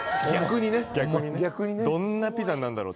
どんなピザになんだろう。